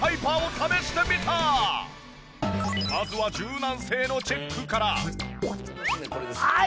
まずは柔軟性のチェックから。